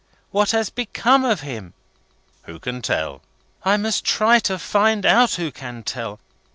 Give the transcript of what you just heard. What has become of him?" "Who can tell!" "I must try to find out who can tell.